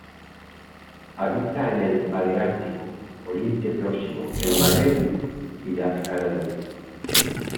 Habita en el paleártico: Oriente Próximo, el Magreb y las Canarias.